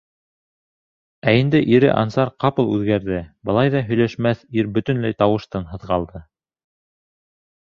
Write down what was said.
Ә инде ире Ансар ҡапыл үҙгәрҙе, былай ҙа һөйләшмәҫ ир бөтөнләй тауыш-тынһыҙ ҡалды.